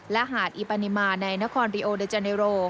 และหาดอีปานิมาในนครริโอเดจาเนโร